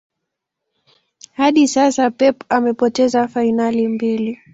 hadi sasa Pep amepoteza fainali mbili